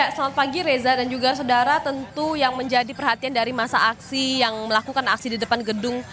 selamat pagi reza dan juga saudara tentu yang menjadi perhatian dari masa aksi yang melakukan aksi di depan gedung